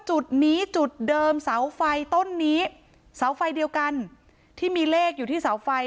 จุดนี้จุดเดิมเสาไฟต้นนี้เสาไฟเดียวกันที่มีเลขอยู่ที่เสาไฟ